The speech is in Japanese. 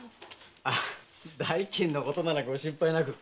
あっ代金のことならご心配なく。